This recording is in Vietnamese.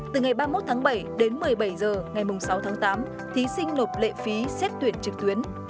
từ ngày ba mươi một tháng bảy đến một mươi bảy h ngày sáu tháng tám thí sinh nộp lệ phí xét tuyển trực tuyến